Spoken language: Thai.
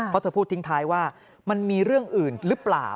เพราะเธอพูดทิ้งท้ายว่ามันมีเรื่องอื่นหรือเปล่า